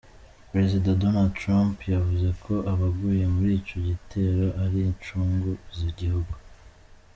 Prezida Donald Trump yavuze ko abaguye muri ico gitero ari incungu z'igihugu.